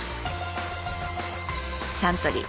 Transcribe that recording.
サントリー